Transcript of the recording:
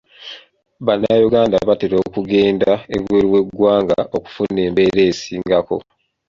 Bannayuganda batera okugenda ebweru w'eggwanga okufuna embeera esingako.